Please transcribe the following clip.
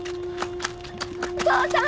お父さん！？